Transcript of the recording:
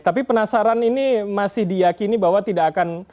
tapi penasaran ini masih diyakini bahwa tidak akan